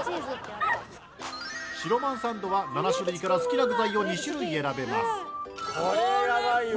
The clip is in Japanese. しろまんサンドは７種類から好きな具材を２種類選べます。